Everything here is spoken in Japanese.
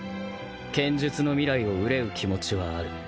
剣術の未来を憂う気持ちはある。